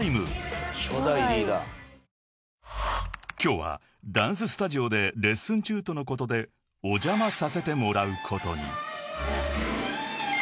［今日はダンススタジオでレッスン中とのことでお邪魔させてもらうことに］